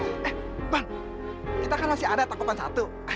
eh bang kita kan masih ada takutan satu